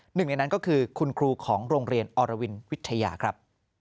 หนึ่งในนั้นก็คือคุณครูของโรงเรียนอรวินวิทยาครับ